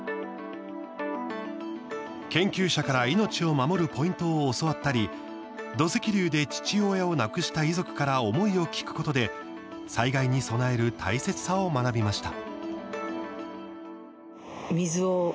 研究者から命を守るポイントを教わったり土石流で父親を亡くした遺族から思いを聞くことで災害に備える大切さを学びました。